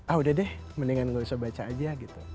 ah udah deh mendingan gak usah baca aja gitu